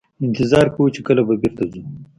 انتظار کوو چې کله به بیرته ځو.